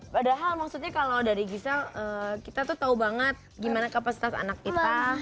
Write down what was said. padahal maksudnya kalo dari gisel kita tuh tau banget gimana kapasitas anak kita